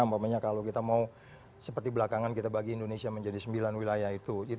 umpamanya kalau kita mau seperti belakangan kita bagi indonesia menjadi sembilan wilayah itu